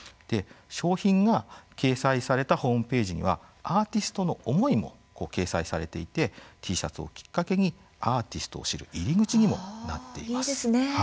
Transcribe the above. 商品が掲載されたホームページにはアーティストの思いも掲載されていてＴシャツをきっかけにアーティストを知る入り口にもなっています。